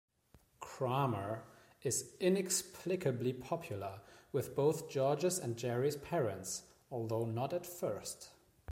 Kramer is inexplicably popular with both George's and Jerry's parents, although not at first.